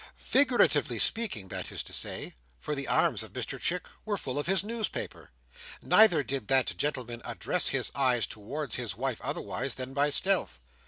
Figuratively speaking, that is to say; for the arms of Mr Chick were full of his newspaper. Neither did that gentleman address his eyes towards his wife otherwise than by stealth.